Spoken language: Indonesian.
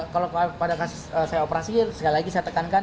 kalau pada kasus saya operasi sekali lagi saya tekankan